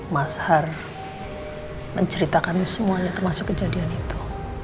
mas har menceritakan semuanya termasuk kejadian itu